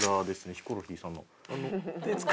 ヒコロヒーさんの。